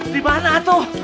di mana atu